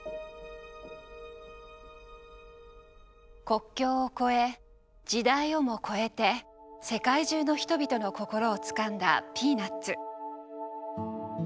国境を超え時代をも超えて世界中の人々の心をつかんだ「ピーナッツ」。